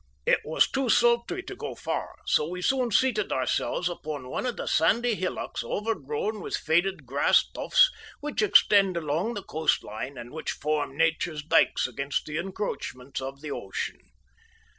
It was too sultry to go far, so we soon seated ourselves upon one of the sandy hillocks, overgrown with faded grass tufts, which extend along the coast line, and which form Nature's dykes against the encroachments of the ocean.